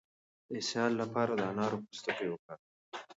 د اسهال لپاره د انارو پوستکی وکاروئ